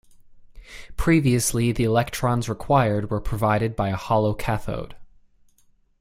Previously the electrons required were provided by a hollow cathode.